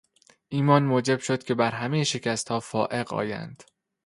ایمان موجب شد که بر همهی شکستها فائق آیند.